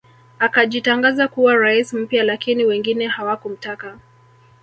Akajitangaza kuwa rais mpya lakini wengine hawakumtaka